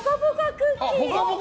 クッキー。